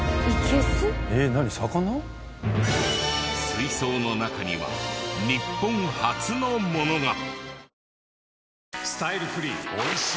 水槽の中には日本初のものが！